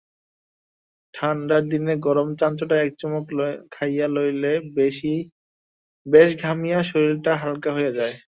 ঠাণ্ডার দিনে গরম চাঞ্চটা এক চুমুকে খাইয়া লইলে বেশ ঘামিয়া শরীরটা হালকা হইয়া যায়।